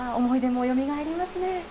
わー、思い出もよみがえりますね。